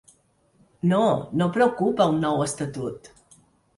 No, no preocupa un nou estatut.